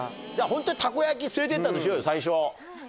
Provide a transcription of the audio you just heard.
ホントにたこ焼き連れて行ったとしよう最初。